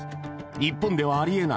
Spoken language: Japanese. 日本ではありえない